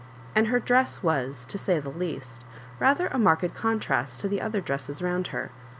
And her dress was, to say the least, rather a marked contrast to the other dresses round her.